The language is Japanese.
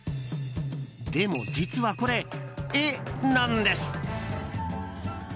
でも実はこれ、絵なんです。